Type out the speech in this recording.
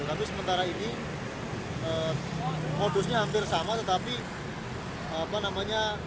tapi sementara ini modusnya hampir sama tetapi apa namanya